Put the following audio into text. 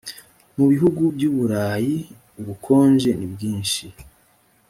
mu bihugu by uburayi ubukonje ni bwinshi